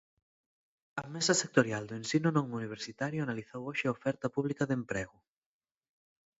A mesa sectorial do ensino non universitario analizou hoxe a oferta pública de emprego.